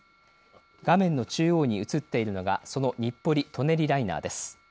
画面の中央に映っているのがその日暮里・舎人ライナーです。